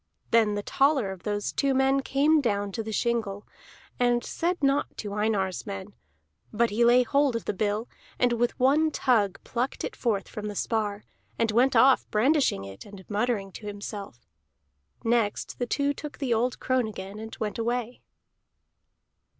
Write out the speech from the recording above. Then the taller of those two men came down to the shingle, and said naught to Einar's men; but he laid hold of the bill and with one tug plucked it forth from the spar, and went off brandishing it and muttering to himself. Next the two took the old crone again, and went away.